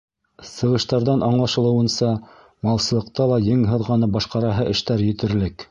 Сығыштарҙан аңлашылыуынса, малсылыҡта ла ең һыҙғанып башҡараһы эштәр етерлек.